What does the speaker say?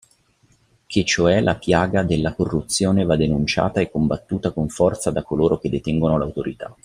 Che cioè la piaga della corruzione va denunciata e combattuta con forza da coloro che detengono l'autorità.